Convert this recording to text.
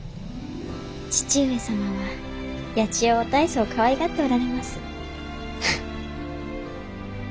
義父上様は八千代を大層かわいがっておられます。